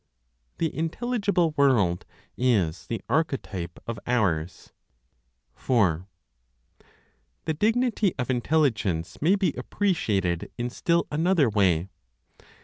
THE INTELLIGIBLE WORLD IS THE ARCHETYPE OF OURS. 4. The dignity of Intelligence may be appreciated in still another way.